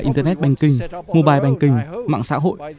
internet banking mobile banking mạng xã hội